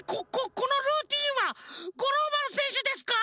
このルーティンは五郎丸せんしゅですか？